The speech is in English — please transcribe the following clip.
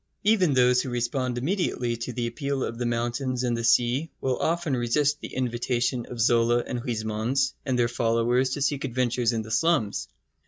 Even those who respond immediately to the appeal of the mountains and the sea will often resist the invitation of Zola and Huysmans and their followers to seek adventures in the slums.